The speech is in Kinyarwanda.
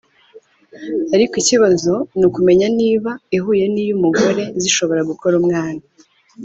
ariko ikibazo ni ukumenya niba ihuye n’iy’umugore zishobora gukora umwana